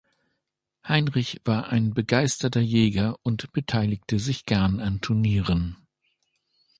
Heinrich war ein begeisterter Jäger und beteiligte sich gern an Turnieren.